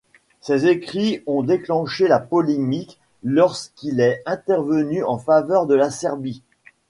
Ses écrits ont déclenché la polémique lorsqu'il est intervenu en faveur de la Serbie.